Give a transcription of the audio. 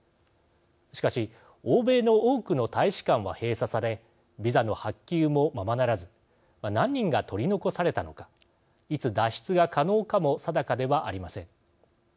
しかし欧米の多くの大使館は閉鎖されビザの発給もままならず何人が取り残されたのかいつ脱出が可能かも定かではありません。